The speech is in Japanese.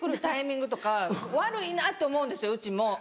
タイミングとか悪いなと思うんですようちも。